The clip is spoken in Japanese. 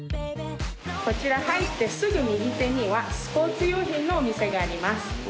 こちら入ってすぐ右手にはスポーツ用品のお店があります